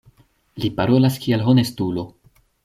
Li parolas kiel honestulo.